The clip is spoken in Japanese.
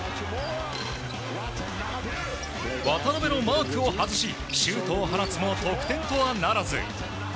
渡邊のマークを外しシュートを放つも得点とはならず。